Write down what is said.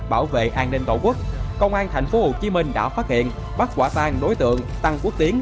bảo vệ an ninh tổ quốc công an tp hcm đã phát hiện bắt quả tang đối tượng tăng quốc tiến